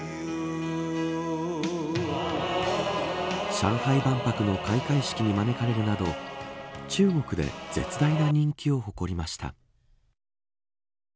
上海万博の開会式に招かれるなど中国で絶大な人気を誇りました。